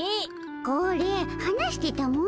これはなしてたも。